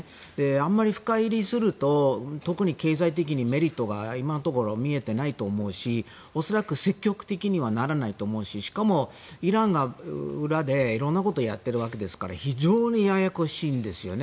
あまり深入りすると特に経済的にメリットが今のところ見えていないと思うし恐らく積極的にはならないと思うししかも、イランが裏で色んなことをやっているわけですから非常にややこしいんですね。